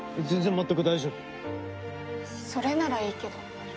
それならいいけど。